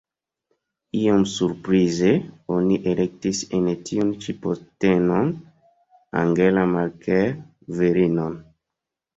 Iom surprize oni elektis en tiun ĉi postenon Angela Merkel, virinon.